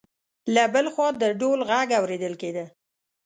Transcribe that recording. له بل خوا د ډول غږ اوریدل کېده.